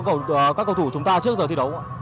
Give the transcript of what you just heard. các cầu thủ chúng ta trước giờ thi đấu